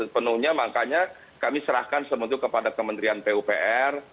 penuhnya makanya kami serahkan sementara kepada kementerian pupr